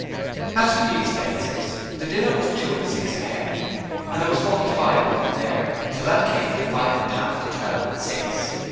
As for the expenses, the dinner was two and six a head, and there was forty five of them there, so that came to five pounds twelve and six.